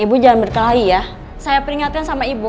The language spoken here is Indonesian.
oh iya saya peringatkan sama ibu